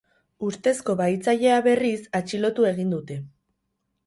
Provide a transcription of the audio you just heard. Ustezko bahitzailea, berriz, atxilotu egin dute.